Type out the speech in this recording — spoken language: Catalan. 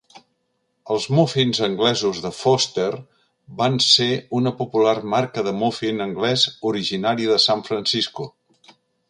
Els muffins anglesos de Foster van ser una popular marca de muffin anglès originària de San Francisco.